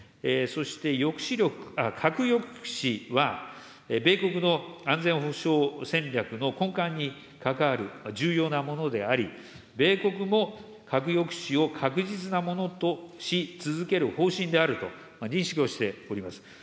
そして核抑止は、米国の安全保障戦略の根幹に関わる重要なものであり、米国も核抑止を確実なものとし続ける方針であると認識をしております。